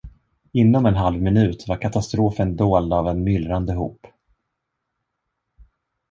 Inom en halv minut var katastrofen dold av en myllrande hop.